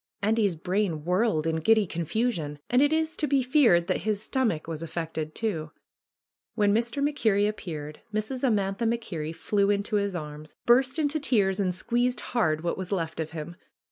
Andy's brain, whirled in giddy confusion, and it is to be feared that his stomach was affected too. When Mr. MacKerrie appeared Mrs. Amantha Mac Kerrie flew into his arms, burst into tears and squeezed hard what was left of him.